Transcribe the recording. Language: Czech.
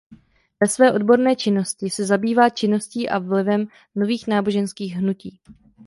Ve své odborné činnosti se zabývá činností a vlivem nových náboženských hnutí.